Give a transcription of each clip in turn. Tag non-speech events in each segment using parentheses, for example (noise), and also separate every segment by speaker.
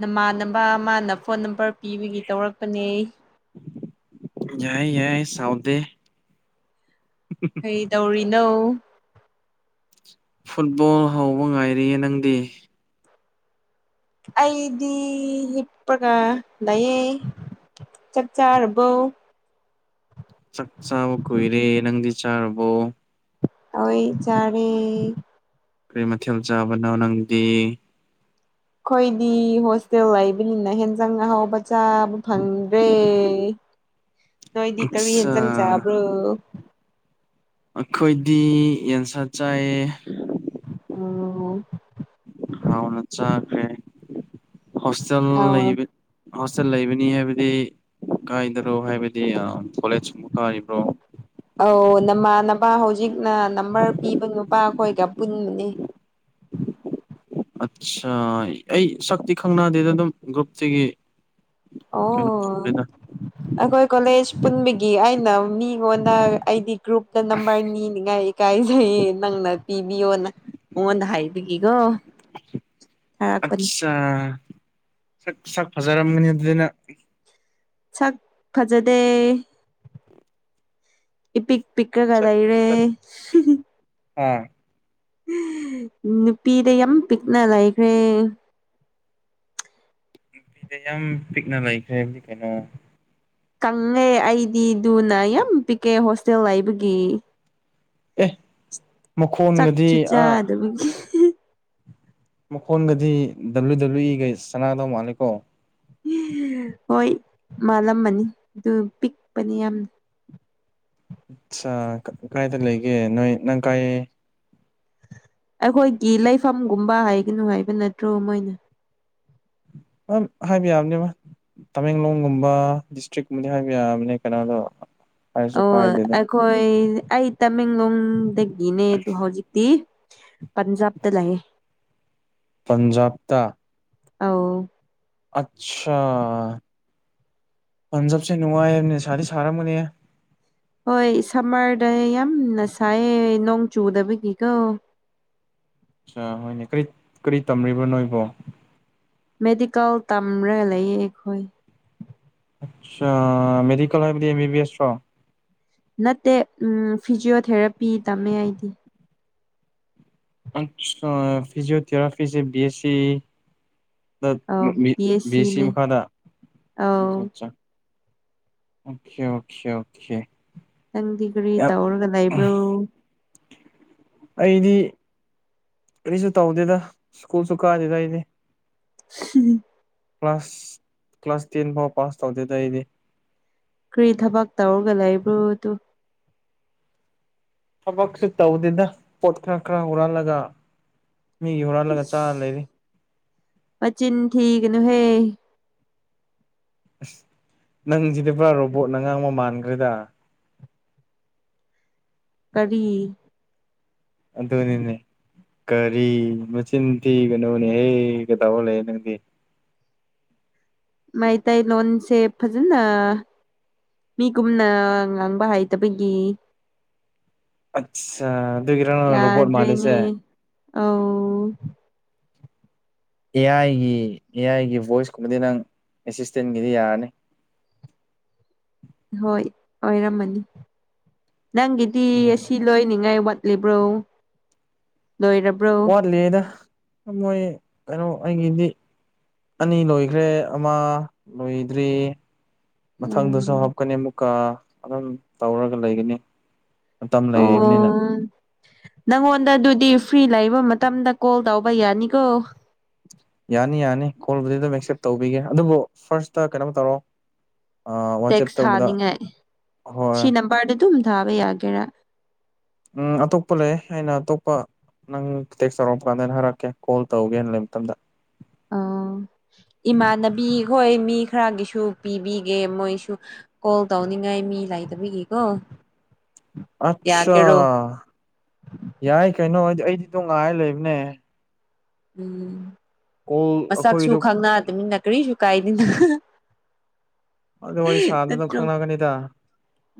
Speaker 1: ꯅꯃꯥꯟꯅꯕ ꯃꯥꯅ phone number ꯄꯤꯕꯒꯤ ꯇꯧꯔꯛꯄꯅꯦ ꯑꯩ
Speaker 2: ꯌꯥꯏ ꯌꯥꯏ ꯆꯥꯎꯗ
Speaker 1: ꯀꯩꯗꯧꯔꯤꯅꯣ
Speaker 2: ꯐꯨꯠꯕꯣꯜ ꯍꯧꯕ ꯉꯥꯏꯔꯤꯌꯦ ꯅꯪꯗꯤ
Speaker 1: ꯑꯩꯗꯤ ꯍꯄ꯭ꯔꯀꯥ ꯂꯩꯌꯦ ꯆꯞ ꯆꯥꯔꯔꯕꯣ
Speaker 2: ꯆꯥꯛ ꯆꯥꯕ ꯀꯨꯏꯔꯦ ꯅꯪꯗꯤ ꯆꯥꯔꯕꯣ
Speaker 1: ꯑꯩꯣꯏ ꯆꯔ
Speaker 2: ꯀꯔꯤ ꯃꯊꯦꯜ ꯆꯥꯕꯅꯣ ꯅꯪꯗꯤ
Speaker 1: ꯑꯩꯈꯣꯏꯗꯤ ꯍꯣꯁꯇꯦꯜ ꯂꯩꯕꯅꯤꯅ ꯍꯦꯟꯖꯥꯡ ꯑꯍꯥꯎꯕ ꯆꯥꯕ ꯐꯪꯗ꯭ꯔꯦ ꯅꯣꯏꯗꯤ ꯀꯔꯤ
Speaker 2: ꯑꯠꯁꯥ
Speaker 1: ꯌꯦꯦꯟꯖꯪ ꯆꯥꯕ꯭ꯔꯣ
Speaker 2: ꯑꯩꯈꯣꯏꯗꯤ ꯌꯦꯟꯁꯥꯠ ꯆꯥꯏꯑ
Speaker 1: ꯑꯣ
Speaker 2: ꯍꯅ ꯆꯈꯦ ꯍꯣꯁꯇꯦꯜ
Speaker 1: ꯑꯣ
Speaker 2: ꯂꯩ ꯍꯣꯁꯇꯦꯜ ꯂꯩꯕꯅꯤ ꯍꯥꯏꯕꯗꯤ ꯀꯥꯏꯗꯔꯣ ꯍꯥꯏꯕꯗꯤ ꯀꯣꯂꯦꯖ ꯀꯨꯝꯕ ꯀꯥꯔꯤꯕ꯭ꯔꯣ
Speaker 1: ꯏꯃꯥꯟꯅꯕ ꯍꯧꯖꯤꯛꯅ ꯅꯝꯕꯔ ꯄꯤꯕ ꯅꯨꯄꯥ ꯑꯩꯈꯣꯏꯒ ꯄꯨꯟꯕꯅꯤ ꯎꯝ
Speaker 2: ꯑꯠꯆꯥ ꯑꯩ ꯁꯛꯇꯤ ꯈꯪꯅꯗꯦꯗ ꯑꯗꯨꯝ ꯒ꯭ꯔꯨꯞꯇꯒꯤ ꯀꯩꯅꯣ
Speaker 1: ꯑꯣ
Speaker 2: ꯇꯧꯕꯅꯤꯗ
Speaker 1: ꯑꯩꯈꯣꯏ ꯀꯂꯦꯖ ꯄꯨꯟꯕꯒꯤ ꯑꯩꯅ ꯃꯤꯉꯣꯟꯗ ꯑꯩꯗꯤ ꯒ꯭ꯔꯨꯞꯇ ꯅꯝꯕꯔ ꯅꯤꯅꯤꯉꯥꯏ ꯏꯀꯥꯏ ꯅꯪꯅ ꯄꯤ ꯌꯣꯅ ꯃꯉꯣꯟꯗ ꯍꯥꯏꯕꯤꯈꯤꯀꯣ ꯍꯥꯏꯔꯛꯄꯅꯤ
Speaker 2: ꯁ ꯁꯛ ꯐꯖꯔꯝꯒꯅꯤ ꯑꯗꯨꯗꯅ
Speaker 1: ꯁꯛ ꯐꯖꯗꯦ ꯏ ꯄꯤꯛ ꯄꯤꯛ꯭ꯔ ꯀꯗꯥ
Speaker 2: ꯁꯛ
Speaker 1: ꯏꯔꯦ
Speaker 2: ꯁꯛ ꯑꯥ
Speaker 1: ꯅꯨꯄꯤꯗ ꯌꯥꯝ ꯄꯤꯛꯅ ꯂꯩꯈ꯭ꯔꯦ
Speaker 2: ꯅꯨꯄꯤꯁꯦ ꯌꯥꯝ ꯄꯤꯛꯅ ꯂꯩꯈ꯭ꯔꯦ ꯍꯥꯏꯗꯤ ꯀꯩꯅꯣ
Speaker 1: ꯀꯪꯉꯦ ꯑꯩꯗꯤ ꯅ ꯌꯥꯝ ꯄꯤꯛꯀꯦ ꯍꯣꯁꯇꯦꯜ ꯍꯥꯏꯕꯒꯤ
Speaker 2: ꯑꯦ ꯃꯈꯣꯟꯒꯗꯤ ꯑꯥ
Speaker 1: ꯆꯥꯗꯕꯒꯤ
Speaker 2: ꯃꯈꯣꯟꯒꯗꯤ ꯗꯕꯂꯤꯎ ꯗꯕ꯭ꯂꯤꯎ ꯏꯒꯩ ꯆꯅꯥꯗꯧ ꯃꯥꯜꯂꯦꯀꯣ
Speaker 1: ꯍꯣꯏ ꯃꯥꯜꯂꯝꯃꯅꯤ ꯑꯗꯨ ꯄꯤꯛꯄꯅꯤ ꯌꯥꯝꯅ
Speaker 2: ꯑꯆꯥ ꯀꯥꯏꯗ ꯂꯩꯒꯦ ꯅꯣꯏ ꯅꯪ ꯀꯥꯏ
Speaker 1: ꯑꯩꯈꯣꯏꯒꯤ ꯂꯩꯐꯝꯒꯨꯝꯕ ꯍꯥꯏꯒꯅꯨ ꯍꯥꯏꯕ ꯅꯠꯇ꯭ꯔꯣ ꯃꯣꯏꯅ
Speaker 2: ꯑ ꯍꯥꯏꯕꯤ ꯌꯥꯝꯕꯅꯦ ꯃꯥ ꯇꯃꯦꯡꯂꯣꯡꯒꯨꯝꯕ ꯗꯤꯁꯇ꯭ꯔꯤꯛꯀꯨꯝꯕꯗꯤ ꯍꯥꯏꯕ ꯌꯥꯕꯅꯦ ꯀꯩꯅꯣꯗꯣ ꯍꯥꯏꯔꯁꯨ
Speaker 1: ꯑꯣ
Speaker 2: ꯀꯥꯏꯗꯦꯗ
Speaker 1: ꯑꯩꯈꯣꯏ ꯑꯩ ꯇꯃꯦꯡꯂꯣꯡꯗꯒꯤꯅꯦ ꯑꯗꯨ ꯍꯧꯖꯤꯛꯇꯤ ꯄꯟꯖꯥꯕ ꯇ ꯂꯩꯑꯦ
Speaker 2: ꯄꯟꯖꯥꯕꯇ
Speaker 1: ꯑꯥꯎ
Speaker 2: ꯑꯆꯥꯥ ꯄꯥꯟꯖꯁꯦ ꯅꯨꯡꯉꯥꯏꯅꯦꯁꯥꯗꯤ ꯁꯥꯔꯝꯕꯅꯦ
Speaker 1: ꯍꯣꯏ ꯁꯝꯃꯔꯗ ꯌꯥꯝꯅ ꯁꯥꯏꯌꯦ ꯅꯣꯡ ꯆꯨꯗꯕꯒꯤꯀꯣ (unintelligible)
Speaker 2: ꯑꯆꯥ ꯍꯣꯏꯅꯦ ꯀꯔꯤ ꯀꯔꯤ ꯇꯝꯂꯤꯔꯤꯕꯣ ꯅꯣꯏꯕꯣ
Speaker 1: ꯃꯦꯗꯤꯀꯜ ꯇꯝꯔ ꯂꯩꯌꯦ ꯑꯩꯈꯣꯏ
Speaker 2: ꯑ ꯃꯦꯗꯤꯀꯦꯜ ꯍꯥꯏꯕꯗꯤ ꯑꯦꯁ꯭ꯔ
Speaker 1: ꯅꯠꯇꯦ ꯐꯤꯖꯤꯣꯊꯦꯔꯥꯄꯤ ꯇꯝꯃꯦ ꯑꯩꯗꯤ
Speaker 2: ꯑ ꯐꯤꯖꯤꯑꯣꯊꯦꯔꯥꯄꯤꯤꯁꯤꯦ ꯕꯤ ꯑꯦꯁ
Speaker 1: ꯑꯧ ꯕꯤ ꯑꯦꯁ
Speaker 2: ꯁꯤ ꯁꯤ
Speaker 1: ꯁꯤꯅꯦ
Speaker 2: ꯃ ꯈꯥꯗ
Speaker 1: ꯑꯧ
Speaker 2: ꯑꯣꯦ ꯑꯣꯦ ꯑꯣꯦ
Speaker 1: ꯁꯪꯗꯤ ꯀꯔꯤ ꯇꯧꯔꯒ ꯂꯩꯕ꯭ꯔꯣ
Speaker 2: ꯑꯩꯗꯤ ꯑꯩꯁꯨ ꯇꯧꯗꯦꯗ ꯁ꯭ꯀꯨꯜꯁꯨ ꯀꯥꯗꯦꯗ ꯑꯩꯗꯤ
Speaker 1: ꯎꯝ
Speaker 2: ꯀ꯭ꯂꯥꯁ ꯀ꯭ꯂꯥꯁ ꯇꯦꯟ ꯐꯥꯎ ꯄꯥꯁ ꯇꯧꯗꯦꯗ ꯑꯩꯗꯤ
Speaker 1: ꯀꯔꯤ ꯊꯕꯛ ꯇꯧꯔꯒ ꯂꯩꯕ꯭ꯔꯣꯗꯨ
Speaker 2: ꯊꯕꯛꯁꯨ ꯇꯧꯗꯦꯗ ꯄꯣꯠ ꯈꯔ ꯈꯔ ꯎꯍꯜꯂꯒ ꯃꯤꯒꯤ ꯍꯨꯔꯜꯂꯒ ꯆꯥꯔ ꯂꯩꯔꯤ
Speaker 1: ꯄꯆꯤꯟ ꯊꯤꯀꯅꯨꯍꯦ
Speaker 2: ꯑꯁ ꯅꯪꯁꯤꯗꯤ ꯄꯨꯔꯥ ꯔꯣꯕꯣꯠꯅꯉꯥꯡ ꯑꯃ ꯃꯥꯟꯈ꯭ꯔꯦꯗ
Speaker 1: ꯀꯔꯤ
Speaker 2: ꯣꯅꯤꯅꯦ ꯀꯔꯤ ꯃꯆꯤꯟ ꯊꯤꯒꯅꯣꯅꯦꯍꯦ ꯀꯗꯥꯥꯎ ꯂꯩꯦ ꯅꯪꯗꯤ
Speaker 1: ꯃꯩꯇꯩꯂꯣꯟꯁꯦ ꯐꯖꯅ ꯃꯤ ꯀꯨꯝꯅ ꯉꯥꯡꯕ ꯍꯩꯇꯕꯒꯤ
Speaker 2: ꯑꯆꯥ
Speaker 1: ꯌꯥꯗ꯭ꯔꯦꯅꯦ ꯑ
Speaker 2: ꯑꯦ ꯑꯥꯏꯒꯤ ꯑꯦ ꯑꯥꯏꯒꯤ ꯚꯣꯏꯁꯀꯨꯝꯕꯗꯤ ꯅꯪ ꯑꯦꯁꯤꯁꯇꯦꯟꯒꯤꯗꯤ ꯌꯥꯔꯅꯤ
Speaker 1: (unintelligible) (inaudible) ꯍꯣꯏ ꯑꯣꯏꯔꯝꯃꯅꯤ ꯅꯪꯒꯤꯗꯤ
Speaker 2: ꯎꯝ
Speaker 1: ꯑꯁꯤ ꯂꯣꯏꯅꯤꯡꯉꯥꯏ ꯋꯥꯠ ꯆꯠꯂꯤꯕ꯭ꯔꯣ ꯂꯣꯏꯔꯕ꯭ꯔꯣ
Speaker 2: ꯋꯥꯠꯂꯤꯗ ꯃꯣꯏ ꯀꯩꯅꯣ ꯑꯩꯒꯤꯗꯤ ꯑꯅꯤ ꯂꯣꯏꯈ꯭ꯔꯦ ꯑꯃ ꯂꯣꯏꯗ꯭ꯔꯤ ꯃꯊꯪꯗꯨꯁꯨ ꯍꯥꯞꯀꯅꯤ ꯃꯨꯛꯀꯥ ꯑꯗꯨꯝ ꯇꯧꯔꯒ ꯂꯩꯒꯅꯤ ꯃꯇꯝ
Speaker 1: ꯑꯣ
Speaker 2: ꯂꯩꯔꯤꯕꯅꯤꯅ
Speaker 1: ꯅꯪꯉꯣꯟꯗ ꯑꯗꯨꯗꯤ ꯐ꯭ꯔꯤ ꯂꯩꯕ ꯃꯇꯝꯗ ꯀꯣꯜ ꯇꯧꯕ ꯌꯥꯅꯤꯀꯣ
Speaker 2: ꯌꯥꯅꯤ ꯌꯥꯅꯤ ꯀꯣꯜꯕꯨꯗꯤ ꯑꯗꯨꯝ ꯑꯦꯛꯁꯦꯞ ꯇꯧꯕꯤꯒꯦ ꯑꯗꯨꯕꯨ ꯐꯥꯔꯁꯇ ꯀꯩꯅꯣ ꯇꯧꯔꯣ ꯋꯥꯆꯦꯞ
Speaker 1: ꯇꯦꯛꯁ
Speaker 2: ꯇꯧꯕꯗ
Speaker 1: ꯊꯥꯅꯤꯉꯥꯏ
Speaker 2: ꯍꯣꯏ
Speaker 1: ꯁꯤ ꯅꯝꯕꯔꯗ ꯑꯗꯨꯝ ꯊꯥꯕ ꯌꯥꯒꯦꯔꯥ
Speaker 2: ꯎꯝ ꯑꯇꯣꯞꯄ ꯂꯩ ꯑꯩꯅ ꯑꯇꯣꯞꯄ ꯅꯪꯇꯦꯛꯁ ꯆꯥꯎꯧꯔꯛꯄ ꯀꯥꯟꯗ ꯑꯩꯅ ꯍꯥꯏꯔꯛꯀꯦ ꯀꯣꯜ ꯇꯧꯒꯦ ꯂꯩꯕ ꯃꯇꯝꯗ
Speaker 1: ꯑ ꯏꯃꯥꯟꯅꯕꯤ ꯍꯣꯏ ꯃꯤ ꯈꯔꯒꯤꯁꯨ ꯄꯤꯕꯤꯒꯦ ꯃꯣꯏꯁꯨ ꯀꯣꯜ ꯇꯧ ꯉꯥꯏꯃꯤ ꯂꯏꯗ ꯕꯤꯒ ꯀꯧꯕꯣ
Speaker 2: ꯑꯆꯥꯥ ꯌꯥꯏ ꯀꯩꯅꯣ ꯑꯩꯗꯤ ꯇꯣꯉꯥꯏ ꯂꯩꯕꯅꯦ
Speaker 1: ꯎꯝ
Speaker 2: ꯀꯣꯜ
Speaker 1: ꯃꯁꯛꯁꯨꯨ
Speaker 2: ꯑꯩꯈꯣꯏꯒꯤꯗꯣ
Speaker 1: ꯈꯪꯅꯥꯃꯤ ꯅꯀꯔꯤ ꯆ ꯀꯥꯏꯅꯤ
Speaker 2: ꯑꯗꯨ ꯋꯥꯔꯤ ꯁꯥꯗꯨꯅ ꯈꯪꯅꯒꯅꯤꯗ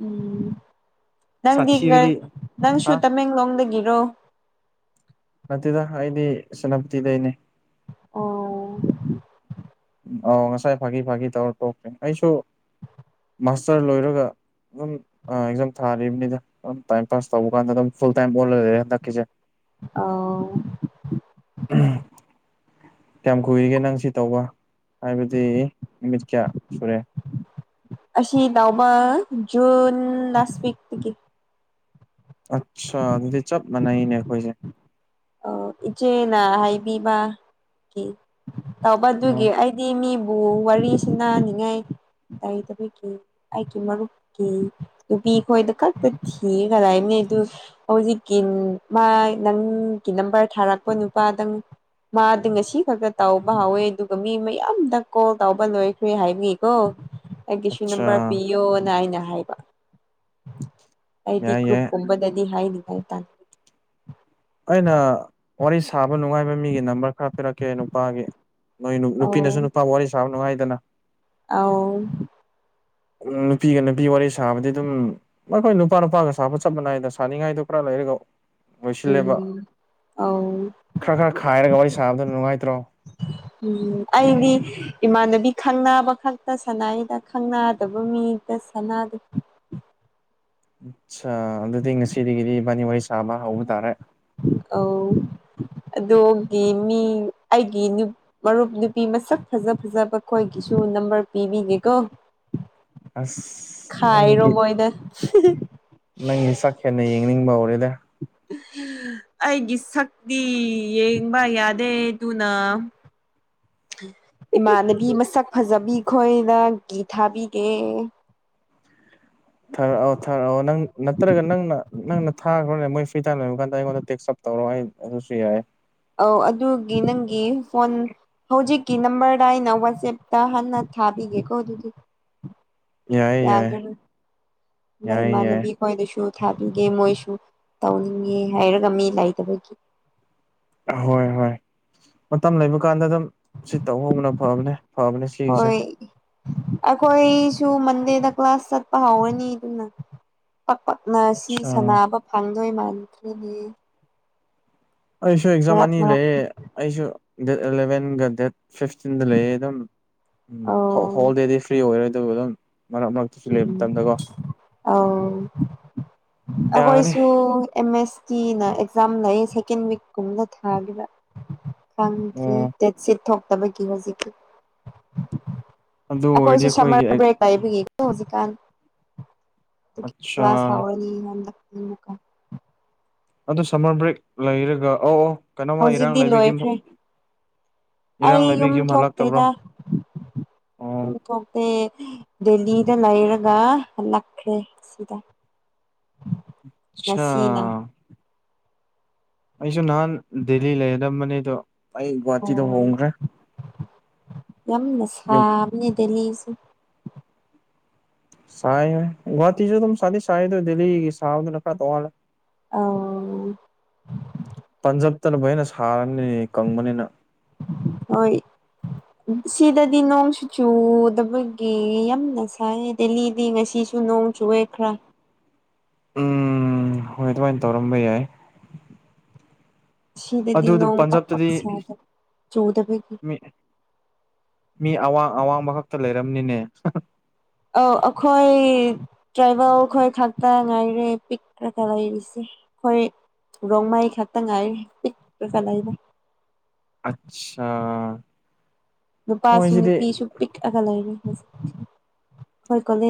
Speaker 1: ꯎꯝ ꯅꯪꯗꯤ
Speaker 2: ꯁꯥꯊꯤꯔꯗꯤ
Speaker 1: ꯅꯪꯁꯨ
Speaker 2: ꯍꯥ
Speaker 1: ꯇꯃꯦꯡꯂꯣꯡꯗꯒꯤꯔꯣ
Speaker 2: ꯍꯥꯏꯗꯤ ꯁꯦꯅꯥꯄꯇꯤꯗꯅꯦ
Speaker 1: ꯑꯣ
Speaker 2: ꯑ ꯉꯁꯥꯏ ꯐꯥꯒꯤ ꯐꯥꯒꯤ ꯇꯧꯔ ꯇꯣꯛꯇ꯭ꯦ ꯑꯩꯁꯨ ꯃꯥꯁꯇꯔ ꯂꯣꯏꯔꯒ ꯑꯗꯨꯝ ꯑꯦꯛꯖꯥꯝ ꯊꯥꯔꯤꯕꯅꯤꯅ ꯑꯗꯨꯝ ꯇꯥꯏꯝ ꯄꯥꯁ ꯇꯧꯕ ꯀꯥꯟꯗ ꯑꯗꯨꯝ ꯐꯨꯜ ꯇꯥꯏꯝ ꯑꯣꯜꯂꯒ ꯂꯩꯔꯦ ꯍꯟꯗꯛꯀꯤꯁꯦ
Speaker 1: ꯑꯥ
Speaker 2: ꯀꯌꯥꯝ ꯀꯨꯏꯔꯤꯒꯦ ꯅꯪ ꯁꯤ ꯇꯧꯕ ꯍꯥꯏꯕꯗꯤ ꯅꯨꯃꯤꯠ ꯀꯌꯥ ꯁꯨꯔꯦ
Speaker 1: ꯑꯁꯤꯁꯤ ꯥꯎꯃ ꯟ ꯂꯥꯁꯤꯛꯒꯤ
Speaker 2: ꯑꯠꯆꯥ ꯑꯗꯨꯗꯤ ꯆꯞ ꯃꯥꯟꯅꯩꯅꯦ ꯑꯩꯈꯣꯏꯁꯦ
Speaker 1: ꯑ ꯏꯆꯦꯅ ꯍꯥꯏꯕꯤꯕ ꯀ
Speaker 2: ꯑꯣ
Speaker 1: ꯇꯧꯕꯗꯨꯒꯤ ꯑꯩꯗꯤ ꯃꯤꯕꯨ ꯋꯥꯔꯤ ꯁꯅꯅꯤꯡꯉꯥꯏ ꯇꯩꯗꯕꯒꯤ ꯑꯩꯒꯤ ꯃꯔꯨꯞꯀꯤ ꯅꯨꯄꯤ ꯈꯣꯏꯗ ꯀꯛꯇ ꯊꯤꯒꯅꯤ ꯑꯗꯨ ꯍꯧꯖꯤꯛꯀꯤ ꯃꯥ ꯅꯪꯒꯤ ꯅꯝꯕꯔ ꯊꯥꯔꯛꯄ ꯅꯨꯄꯥꯗꯪ ꯃꯥꯗꯤ ꯉꯁꯤ ꯈꯛꯇ ꯇꯥꯎꯧꯕ ꯍꯥꯎꯋꯦ ꯑꯗꯨꯒ ꯃꯤ ꯃꯌꯥꯝꯗ ꯀꯣꯜ ꯇꯧꯕ ꯂꯣꯏꯈ꯭ꯔꯦ ꯍꯥꯏꯕꯤꯀꯣ ꯑꯩꯒꯤꯁꯨ
Speaker 2: ꯑꯠꯆꯥ
Speaker 1: ꯅꯝꯕꯔ ꯄꯤꯌꯣꯅ ꯑꯩꯅ ꯍꯥꯏꯕ ꯑꯩꯗꯤ
Speaker 2: ꯌꯥꯏ ꯌꯥꯏ
Speaker 1: ꯒ꯭ꯔꯨꯞꯀꯨꯝꯕꯗꯗꯤ ꯍꯥꯏꯅꯤꯡꯉꯥꯏ ꯇꯥꯟꯅ
Speaker 2: ꯑꯩꯅ ꯋꯥꯔꯤ ꯁꯥꯕ ꯅꯨꯡꯉꯥꯏꯕ ꯃꯤꯒꯤ ꯅꯝꯕꯔ ꯈꯔ ꯄꯤꯔꯛꯀꯦ ꯅꯨꯄꯥꯒꯤ ꯅꯣꯏ ꯅꯨꯄꯤꯅꯁꯨ ꯅꯨꯄꯥ ꯋꯥꯔꯤ ꯁꯥꯕ ꯅꯨꯡꯉꯥꯏꯗꯅ
Speaker 1: ꯑ
Speaker 2: ꯎ ꯅꯨꯄꯤꯒ ꯅꯨꯄꯤ ꯋꯥꯔꯤ ꯁꯥꯕꯗꯤ ꯑꯗꯨꯝ ꯑꯩꯈꯣꯏ ꯅꯨꯄꯥ ꯅꯨꯄꯥꯒ ꯁꯥꯕ ꯆꯠ ꯃꯅꯥꯏꯗ ꯁꯥꯅꯤꯡꯉꯥꯏꯗꯣ ꯂꯩꯔ ꯁꯤꯜꯂꯦꯕ
Speaker 1: ꯎꯝ ꯑꯧ
Speaker 2: ꯈꯔ ꯈꯔ ꯈꯥꯏꯔꯒ ꯋꯥꯔꯤ ꯁꯥꯕꯗ ꯅꯨꯡꯉꯥꯏꯇ꯭ꯔꯣ
Speaker 1: ꯎꯝ ꯑꯩꯒꯤ ꯏꯃꯥꯟꯅꯕꯤ ꯈꯪꯕ ꯈꯛꯇ ꯁꯥꯟꯅꯥꯏꯗ ꯈꯪꯅꯗꯕ ꯃꯤꯗ ꯁꯥꯟꯅꯗꯦ
Speaker 2: ꯑꯆꯥ ꯑꯗꯨꯗꯤ ꯉꯁꯤꯗꯒꯤꯗꯤ ꯋꯥꯔꯤꯕꯥꯅꯤ ꯋꯥꯔꯤ ꯁꯥꯕ ꯍꯧꯕ ꯇꯥꯔꯦ
Speaker 1: ꯑ ꯑꯣꯒꯤ ꯃꯤ ꯑꯩꯒꯤ ꯃꯔꯨꯞ ꯅꯨꯄꯤ ꯃꯁꯛ ꯐꯖ ꯐꯖꯕ ꯈꯈꯣꯏꯒꯤꯁꯨ ꯁꯨ ꯅꯝꯕꯔ ꯄꯤꯕꯤꯒꯦꯀꯣ
Speaker 2: ꯑꯁ
Speaker 1: ꯈꯥꯏꯔꯣ
Speaker 2: ꯅꯪꯒꯤ
Speaker 1: ꯃꯣꯏꯗ (inaudible)
Speaker 2: ꯅꯪꯒꯤ ꯆꯥꯛ ꯍꯦꯟꯅ ꯌꯦꯡꯅꯤꯡꯕ ꯍꯧꯔꯦꯅꯦ
Speaker 1: ꯎ ꯑꯩꯒꯤ ꯁꯛꯇꯤ ꯌꯦꯡꯕ ꯌꯥꯗꯦ ꯑꯗꯨꯅ ꯏꯃꯥꯟꯅꯕꯤ ꯃꯁꯛ ꯐꯖꯕꯤ ꯈꯣꯏꯅ ꯒꯤꯤ ꯊꯥꯕꯤꯒꯦ
Speaker 2: ꯊꯔ ꯊꯔ ꯅꯪ ꯅꯠꯇ꯭ꯔꯒ ꯅꯪꯅ ꯅꯪ ꯊꯥꯈ꯭ꯔꯣꯅꯦ ꯃꯣꯏ ꯐ꯭ꯔꯤ ꯇꯥꯏꯝ ꯂꯕ ꯀꯥꯟꯗ ꯑꯩꯉꯣꯟꯗ ꯇꯦꯛꯁꯞ ꯇꯧꯔꯣ ꯑꯩ ꯑꯗꯨꯁꯨ ꯌꯥꯏꯦ
Speaker 1: ꯑꯧ ꯑꯗꯨꯒꯤ ꯅꯪꯒꯤ ꯐꯣꯟ ꯍꯧꯖꯤꯛꯀꯤ ꯅꯝꯕꯔꯗ ꯑꯩꯅ ꯋꯥꯆꯦꯞꯇ ꯍꯟꯅ ꯊꯥꯕꯤꯒꯦꯀꯣ ꯑꯗꯨꯗꯤ
Speaker 2: ꯌꯥꯏ ꯌꯥꯏ
Speaker 1: ꯅ
Speaker 2: ꯌꯥꯏ ꯌꯥꯏ
Speaker 1: ꯃꯥꯅꯕꯤ ꯀꯣꯏꯗꯁꯨ ꯊꯥꯕꯤꯒꯦ ꯃꯣꯏꯁꯨ ꯇꯧꯅꯤꯡꯉꯦ ꯍꯥꯏꯔꯒ ꯃꯤ ꯂꯩꯇꯕꯒꯤ
Speaker 2: ꯍꯣꯏ ꯍꯣꯏ ꯃꯇꯝ ꯂꯩꯕ ꯀꯥꯟꯗ ꯑꯗꯨꯝ ꯁꯤ ꯇꯧꯍꯧꯕꯅ ꯐꯕꯅꯦ ꯐꯕꯅꯦ ꯁꯤꯒꯤꯁꯦ
Speaker 1: ꯍꯣꯏ ꯑꯩꯈꯣꯏꯁꯨ ꯃꯟꯗꯦꯗ ꯀ꯭ꯂꯥꯁ ꯆꯠꯄ ꯍꯧꯔꯅꯤ ꯑꯗꯨꯅ ꯄꯛꯄꯛꯅ ꯁꯤ
Speaker 2: ꯑꯠꯁꯥ
Speaker 1: ꯁꯥꯟꯅꯕ ꯐꯪꯗꯣꯏ ꯃꯥꯟꯈ꯭ꯔꯤꯅꯦ
Speaker 2: ꯑꯩꯁꯨ ꯑꯦꯛꯖꯥꯝ ꯑꯅꯤ ꯂꯩꯌꯦ
Speaker 1: ꯃꯔꯛꯇ
Speaker 2: ꯑꯩꯁꯨ ꯗꯦꯠ ꯑꯦꯂꯚꯦꯟꯒ ꯗꯦꯠ ꯐꯤꯐꯇꯤꯟꯗ ꯂꯩ ꯑꯗꯨꯝ
Speaker 1: ꯑꯧ
Speaker 2: ꯍꯣꯜꯗꯦꯗꯤ ꯐ꯭ꯔꯤ ꯑꯣꯏꯔꯣꯏ ꯑꯗꯨ ꯑꯗꯨꯝ ꯃꯔꯛ ꯃꯔꯛꯇꯁꯨ ꯂꯩꯕ ꯃꯇꯝꯗꯀꯣ
Speaker 1: ꯎꯝ ꯑ ꯑ
Speaker 2: ꯌꯥꯒꯅꯤ
Speaker 1: ꯀꯁꯨ ꯑꯦꯦꯝ ꯑꯦꯁ ꯀꯤꯅ ꯑꯦꯛꯖꯥꯝ ꯂꯩ ꯁꯦꯀꯦꯟ ꯋꯤꯛꯀꯨꯝꯅ ꯊꯥꯈꯤꯕ ꯈꯪꯗ꯭ꯔꯤ
Speaker 2: ꯑꯣ
Speaker 1: ꯗꯦꯠꯁꯤꯠ ꯊꯣꯛꯇꯕꯒꯤ ꯍꯧꯖꯤꯛꯀꯤ
Speaker 2: ꯑꯗꯨ ꯑꯣꯏꯔꯗꯤ
Speaker 1: ꯑꯩꯈꯣꯏꯁꯨꯦ
Speaker 2: ꯑꯩꯈꯣꯏꯒꯤ
Speaker 1: ꯁꯝꯃꯔ ꯕ꯭ꯔꯦꯛ ꯇꯥꯏꯕꯒꯤ ꯍꯧꯖꯤ ꯀ
Speaker 2: ꯑꯠꯆꯥ
Speaker 1: ꯀ꯭ꯂꯥꯁ ꯍꯥꯕꯅꯤ ꯍꯥꯏ ꯂꯀ
Speaker 2: ꯑꯗꯨ ꯁꯝꯃꯔ ꯕ꯭ꯔꯦꯛ ꯂꯩꯔꯒ ꯑ ꯑꯣ
Speaker 1: ꯍꯧꯖꯤꯛꯇꯤ ꯂꯣꯏꯈ꯭ꯔꯦ ꯑꯩ
Speaker 2: ꯏꯔꯥꯡ
Speaker 1: ꯌꯨꯝ
Speaker 2: ꯂꯩꯕꯒꯤ ꯍꯜꯂꯛꯇꯕ꯭ꯔꯣ
Speaker 1: ꯊꯣꯛꯇꯦꯗ
Speaker 2: ꯑꯣ
Speaker 1: ꯌꯨꯝ ꯊꯣꯛꯇꯦ ꯗꯦꯂꯤꯗ ꯂꯩꯔꯒ ꯂꯛꯈ꯭ꯔꯦ ꯁꯤꯗ ꯉꯁꯤꯅ
Speaker 2: ꯑꯆꯥꯥ ꯑꯩꯁꯨ ꯅꯍꯥꯟ ꯗꯦꯜꯂꯤ ꯂꯩꯒꯗꯝꯕꯅꯦ ꯑꯗꯣ ꯑꯩ
Speaker 1: ꯑꯣ
Speaker 2: ꯒꯨꯍꯥꯇꯤꯗ ꯍꯣꯡꯈ꯭ꯔꯦ ꯌꯨꯝ
Speaker 1: ꯌꯥꯝꯅꯁꯁꯨ
Speaker 2: ꯁ ꯋꯥꯁꯨꯦ ꯁ ꯁ ꯗ ꯁꯥꯣ
Speaker 1: ꯑ
Speaker 2: ꯠꯇꯅꯅꯕꯣꯏꯩꯅ ꯁꯥꯔꯅꯤ ꯀꯪꯕꯅꯤꯅ
Speaker 1: ꯍꯣꯏ ꯁꯤꯗꯗꯤ ꯅꯣꯡꯁꯨ ꯆꯨꯗꯕꯒꯤ ꯌꯥꯝꯅ ꯁꯥꯏ ꯗꯦꯜꯂꯤꯗꯤ ꯉꯁꯤꯁꯨ ꯅꯣꯡ ꯆꯨ ꯦꯈꯔ
Speaker 2: ꯎꯝ ꯍꯣꯏ ꯑꯗꯨꯃꯥꯏꯅ ꯇꯧꯔꯝꯕ ꯌꯥꯏ ꯑꯗꯨ
Speaker 1: ꯁꯤꯗꯗꯤ
Speaker 2: ꯑꯗꯨ
Speaker 1: ꯅꯣꯡ ꯄꯥꯛ ꯄꯥꯛ
Speaker 2: ꯄꯟꯖꯥꯕꯇꯗꯤ
Speaker 1: ꯁꯥꯗꯕ ꯆꯨꯗꯕꯒꯤ
Speaker 2: ꯃꯤ ꯃꯤ ꯑꯋꯥꯡ ꯑꯋꯥꯡꯕ ꯈꯛꯇ ꯂꯩꯔꯝꯅꯤꯅꯦ
Speaker 1: ꯑꯧ ꯑꯩꯈꯣꯏ ꯇ꯭ꯔꯥꯏꯕꯦꯜ ꯈꯈꯣꯏ ꯊꯥꯛꯇ ꯉꯥꯏꯔꯦ ꯄꯤꯛꯈ꯭ꯔꯒ ꯂꯩꯔꯤꯁꯦ ꯑꯩꯈꯣꯏ ꯔꯣꯡꯃꯩ ꯈꯛꯇ ꯉꯥꯏ ꯂꯩꯗ
Speaker 2: ꯑꯆꯥꯥ
Speaker 1: ꯅꯨꯄꯥꯁꯨ ꯅꯨꯄꯤꯁꯨ ꯄꯤꯛ ꯑꯒ ꯂꯩ ꯂꯩꯅꯤ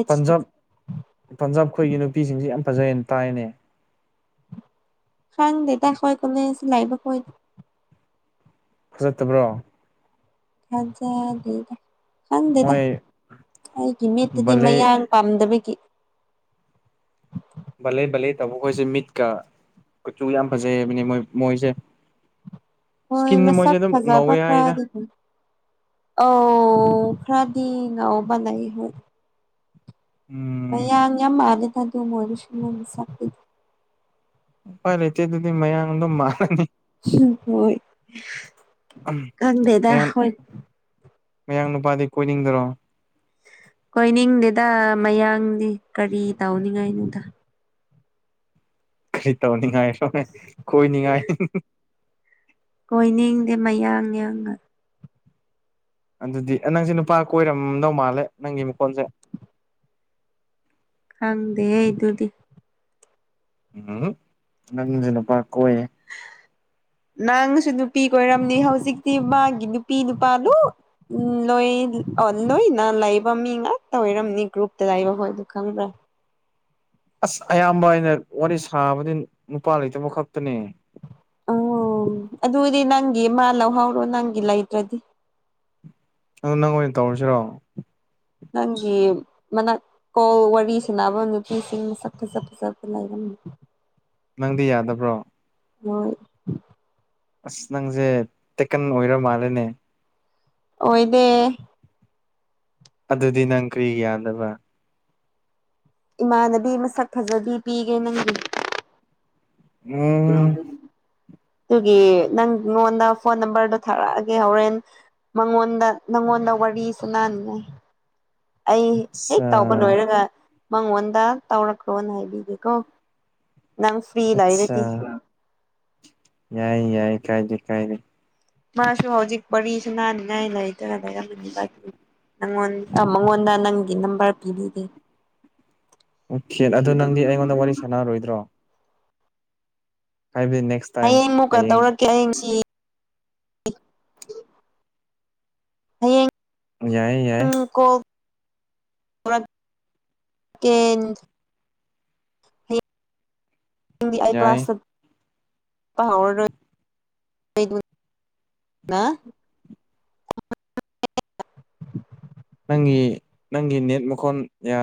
Speaker 2: ꯄꯟꯖꯥꯕ ꯄꯟꯖꯥꯕ ꯑꯩꯈꯣꯏꯒꯤ ꯅꯨꯄꯤꯁꯤꯡꯁ ꯌꯥꯝ ꯐꯖꯦꯟ ꯇꯥꯏꯅꯦ
Speaker 1: ꯁꯪ ꯗꯦꯇꯇꯥ ꯈꯣꯏ ꯀꯣꯅꯦ ꯁꯤ ꯂꯥꯏꯕ ꯀꯣꯏ
Speaker 2: ꯐꯖꯠꯇꯕ꯭ꯔꯣ
Speaker 1: ꯊꯖ ꯂꯤꯗ ꯈꯪꯗꯦꯗ
Speaker 2: ꯃꯣꯏ
Speaker 1: ꯑꯩꯒꯤ ꯃꯤꯠꯇꯗꯤ
Speaker 2: ꯕꯂꯦ
Speaker 1: ꯃꯌꯥꯡ ꯄꯥꯝꯗꯕꯒꯤ
Speaker 2: ꯀꯆꯨ ꯌꯥꯝ ꯐꯖꯩꯅꯤ ꯃꯣꯏ ꯃꯣꯏꯁꯦ
Speaker 1: ꯍꯣꯏ
Speaker 2: ꯏꯁꯀꯤꯟꯅꯦ ꯃꯣꯏꯁꯦ ꯑꯗꯨꯝ ꯉꯧꯋꯦ ꯍꯥꯏꯗ
Speaker 1: ꯑꯥꯎ ꯐ꯭ꯔꯥꯗꯤꯟ ꯅꯍꯣꯏ ꯍ
Speaker 2: ꯎꯝ
Speaker 1: ꯌꯥ ꯌꯥꯝ ꯃꯥꯜꯂꯦꯗ ꯑꯗꯨ ꯃ ꯑꯣꯏ ꯁꯄꯤꯗ
Speaker 2: ꯍꯣꯏ ꯂꯩꯆꯦ ꯑꯗꯨꯗꯤ ꯃꯌꯥꯡꯗꯝ ꯃꯥꯜꯂꯅꯤ
Speaker 1: ꯍꯣꯏ ꯈꯪꯗꯦꯗ ꯍꯣꯏ
Speaker 2: ꯃꯌꯥꯡ ꯅꯨꯄꯥꯗꯤ ꯀꯣꯏꯅꯤꯡꯗ꯭ꯔꯣ
Speaker 1: ꯀꯣꯏꯅꯤꯡꯗꯦꯗ ꯃꯌꯥꯡꯗꯤ ꯀꯔꯤ ꯇꯧꯅꯤꯡꯉꯥꯏꯅꯅꯨꯡꯗ
Speaker 2: ꯀꯔꯤ ꯇꯧꯅꯤꯉꯃꯦ ꯀꯣꯏ ꯅꯤꯡꯉꯥꯏ
Speaker 1: ꯀꯣꯏꯅꯤꯡꯗꯦ ꯃꯌꯥꯡ ꯌꯥꯡꯉ
Speaker 2: ꯑꯗꯨꯗꯤ ꯅꯪꯁꯦ ꯅꯨꯄꯥ ꯀꯣꯏꯔꯝꯗꯧ ꯃꯥꯜꯂꯦ ꯅꯪꯒꯤ ꯃꯈꯣꯟꯁꯦ
Speaker 1: ꯈꯪꯗꯦ ꯑꯩ ꯑꯗꯨꯗꯤ
Speaker 2: ꯎꯝ ꯅꯪꯁꯦ ꯅꯨꯄꯥ ꯀꯣꯏꯌꯦ
Speaker 1: (inaudible) ꯅꯪꯁꯨ ꯅꯨꯄꯤ ꯀ ꯑꯣꯏꯔꯝꯅꯤ ꯍꯧꯖꯤꯛꯇꯤ ꯃꯥꯒꯤ ꯅꯨꯄꯤ ꯅꯨꯄꯥꯗꯨ ꯎ ꯂꯣꯏ ꯑꯣ ꯂꯣꯏꯅ ꯂꯩꯕ ꯃꯤ ꯉꯥꯛꯇ ꯑꯣꯏꯔꯝꯅꯤ ꯒ꯭ꯔꯨꯞꯇ ꯂꯩꯕꯈꯣꯏꯗ ꯈꯪꯕ꯭ꯔꯥ
Speaker 2: ꯑꯁ ꯑꯌꯥꯝꯕ ꯑꯩꯅ ꯋꯥꯔꯤ ꯁꯥꯕꯗꯤ ꯅꯨꯄꯥ ꯂꯩꯇꯕ ꯈꯛꯇꯅꯦ
Speaker 1: ꯑꯣ ꯑꯗꯨꯗꯤ ꯅꯪꯒꯤ ꯃꯥ ꯂꯧꯍꯧꯔꯣ ꯅꯪꯒꯤ ꯂꯩꯗ꯭ꯔꯗꯤ
Speaker 2: ꯑꯣ ꯅꯪ ꯑꯣꯏꯅ ꯇꯧꯔꯁꯤꯔꯣ
Speaker 1: ꯅꯪꯒꯤ ꯃꯅꯥꯀꯣꯜ ꯋꯥꯔꯤ ꯁꯅꯕ ꯅꯨꯄꯤꯁꯤꯡ ꯃꯁꯛ ꯐꯖ ꯐꯖꯕ ꯂꯩꯔꯝꯃꯤ ꯎ
Speaker 2: ꯅꯪꯗꯤ ꯌꯥꯗꯕ꯭ꯔꯣ
Speaker 1: ꯎ
Speaker 2: ꯑꯁ ꯅꯪꯁꯦ ꯇꯦꯛꯀꯟ ꯑꯣꯏꯔ ꯃꯥꯜꯂꯦꯅꯦ
Speaker 1: ꯑꯣꯏ ꯏꯗ
Speaker 2: ꯑꯗꯨꯗꯤ ꯅꯪ ꯀꯔꯤ ꯌꯥꯗꯕ
Speaker 1: ꯏꯃꯥꯟꯅꯕꯤ ꯃꯁꯛ ꯐꯖꯕꯤ ꯄꯤꯒꯦ ꯅꯪꯗꯤ ꯎꯝ ꯑꯗꯨꯒꯤ ꯅꯪꯉꯣꯟꯗ ꯐꯣꯟ ꯅꯝꯕꯔꯗꯣ ꯊꯥꯔꯛꯑꯒꯦ ꯍꯣꯔꯦꯟ ꯃꯉꯣꯟꯗ ꯅꯪꯉꯣꯟꯗ ꯋꯥꯔꯤ ꯁꯅꯅꯤꯉ ꯑꯩ ꯍꯦꯛ
Speaker 2: ꯑꯆꯥ
Speaker 1: ꯇꯧꯕ ꯂꯣꯏꯔꯒ ꯃꯉꯣꯟꯗ ꯇꯧꯔꯛꯈꯣꯅ ꯍꯥꯏꯕꯤꯒꯦꯀꯣ ꯅꯪ ꯐ꯭ꯔꯔꯤ ꯏꯂ
Speaker 2: ꯑꯠꯆꯥ
Speaker 1: ꯏꯔꯗꯤ
Speaker 2: ꯌꯥꯏ ꯌꯥꯏ ꯀꯥꯏꯖꯦ ꯀꯥꯏ ꯂꯩ
Speaker 1: ꯃꯥꯁꯨ ꯍꯧꯖꯤꯛ ꯋꯥꯔꯤꯁꯨ ꯅꯥꯅꯤꯡꯉꯥꯏ ꯂꯩꯇꯒ ꯂꯩꯔ ꯅꯪꯉꯣꯟ ꯃꯉꯣꯟꯗ ꯅꯪꯒꯤ ꯅꯝꯕꯔ ꯄꯤꯕꯤꯗꯦ
Speaker 2: ꯑꯣꯀꯦ ꯑꯗꯨꯗ ꯅꯪꯗꯤ ꯑꯩꯉꯣꯟꯗ ꯋꯥꯔꯤ ꯁꯥꯟꯅꯔꯔꯣꯏꯗ꯭ꯔꯣ ꯅꯦꯛꯁ ꯇꯥꯏꯝ
Speaker 1: ꯑꯩꯡ ꯑꯃꯨꯛꯀ
Speaker 2: ꯍꯌꯦꯡ
Speaker 1: ꯇꯧꯔꯛꯀꯦ ꯑꯩꯡꯁꯤ ꯑꯌꯦꯡ
Speaker 2: ꯌꯥꯏ ꯌꯥꯏ
Speaker 1: ꯔ ꯆꯀꯦꯟ ꯍꯗꯤ ꯑꯥꯏ
Speaker 2: ꯌꯥꯏ
Speaker 1: ꯀ꯭ꯂꯥꯁ ꯄꯔ ꯑ
Speaker 2: ꯅꯪꯒꯤ ꯅꯪꯒꯤ ꯅꯦꯠ ꯃꯈꯣꯟ